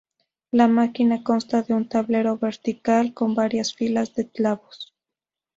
La máquina consta de un tablero vertical con varias filas de clavos.